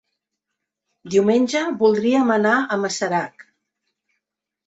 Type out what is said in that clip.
Diumenge voldríem anar a Masarac.